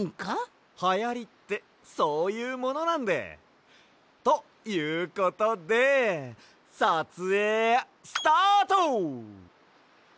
はやりってそういうものなんで。ということでさつえいスタート！